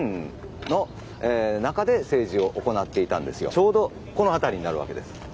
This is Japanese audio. ちょうどこの辺りになるわけです。